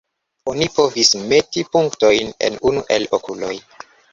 Oni povis meti punktojn en unu el "okuloj".